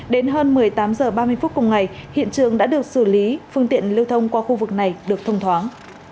đến hơn một mươi tám h ba mươi phút cùng ngày hiện trường đã được xử lý phương tiện lưu thông qua khu vực này được thông thoáng